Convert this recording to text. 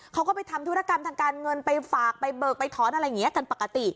เขาก็ไปทำธุรกรรมทางการเงินไปฝากไปเบิกไปถอนอะไรอย่างนี้กันปกติ